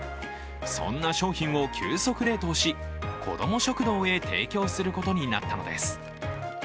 そんな商品を急速冷凍し子ども食堂へ提供することになったのです。